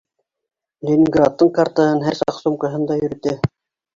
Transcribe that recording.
Ленинградтың картаһын һәр саҡ сумкаһында йөрөтә.